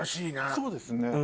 そうですね。